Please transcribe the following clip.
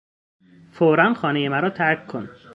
فورا خانهی مرا ترک کن!